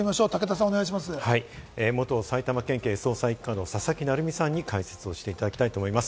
元埼玉県警捜査一課の佐々木成三さんに解説をしていただきたいと思います。